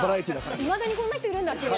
いまだにこんな人いるんだっていう。